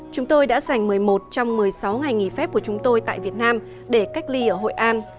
chúng tôi đã dành một mươi một trong một mươi sáu ngày nghỉ phép của chúng tôi tại việt nam để cách ly ở hội an